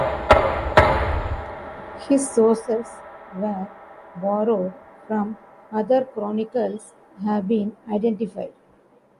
His sources, where borrowed from other chronicles, have been identified.